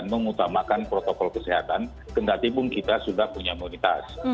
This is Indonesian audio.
dan mengutamakan protokol kesehatan ketika kita sudah punya imunitas